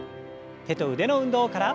手と腕の運動から。